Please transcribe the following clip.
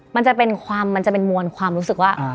มันจะเป็นความมันจะเป็นมวลความรู้สึกว่า